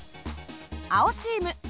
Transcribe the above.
青チーム。